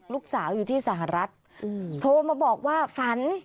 ลูกสาวอยู่ที่สหรัฐโทรมาบอกว่าฝัน